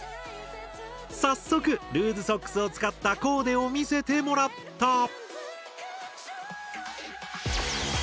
早速ルーズソックスを使ったコーデを見せてもらった。